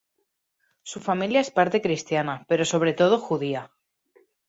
Su familia es parte cristiana, pero sobre todo judía.